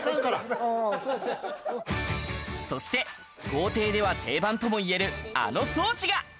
そして、豪邸では定番とも言える、あの装置が。